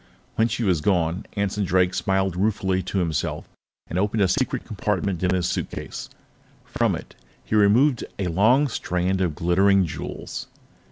When she was gone, Anson Drake smiled ruefully to himself and opened a secret compartment in his suitcase. From it, he removed a long strand of glittering jewels.